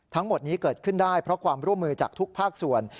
ทั้งหมดนี้เกิดขึ้นได้เพราะความร่วมมือจากทุกภาคส่วน